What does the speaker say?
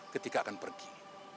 ketika akan pergi